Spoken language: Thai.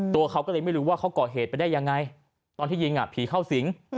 ตัวเขาก็เลยไม่รู้ว่าเขาก่อเหตุไปได้ยังไงตอนที่ยิงผีเข้าสิง